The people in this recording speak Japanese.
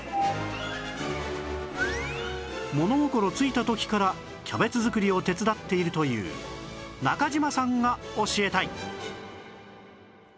物心ついた時からキャベツ作りを手伝っているという中島さんが教えたい